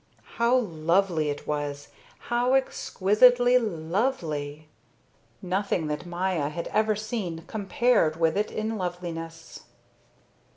How lovely it was, how exquisitely lovely. Nothing that Maya had ever seen compared with it in loveliness.